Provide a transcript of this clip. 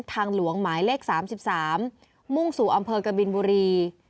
ทางหลวงหมายเลข๓๓มุ่งสู่อำเภอกบินบุรี